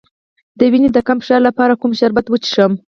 د وینې د کم فشار لپاره کوم شربت وڅښم؟